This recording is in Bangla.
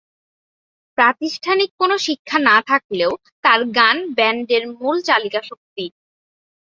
প্রাতিষ্ঠানিক কোন শিক্ষা না থাকলেও তার গান ব্যান্ডের মূল চালিকাশক্তি।